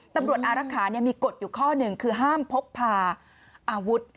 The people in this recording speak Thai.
อารักษามีกฎอยู่ข้อหนึ่งคือห้ามพกพาอาวุธ